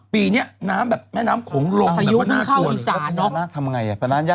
ปีนี้แม่น้ำโขงลงพระยุทธ์ถึงเข้าอีสาน